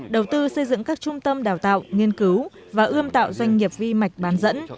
đầu tư xây dựng các trung tâm đào tạo nghiên cứu và ươm tạo doanh nghiệp vi mạch bán dẫn